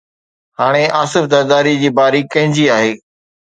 هاڻي آصف زرداريءَ جي باري ڪنهن جي آهي؟